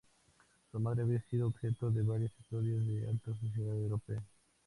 Su madre había sido objeto de varias historias de la alta sociedad europea.